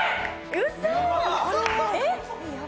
えっ！？